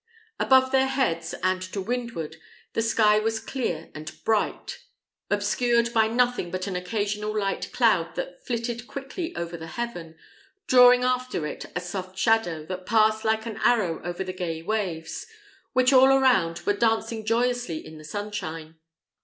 Above their heads, and to windward, the sky was clear and bright, obscured by nothing but an occasional light cloud that flitted quickly over the heaven, drawing after it a soft shadow, that passed like an arrow over the gay waves, which all around were dancing joyously in the sunshine.